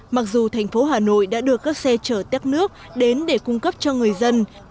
mặc dù thành phố hà nội đã đưa các xe chở tét nước đến để cung cấp cho người dân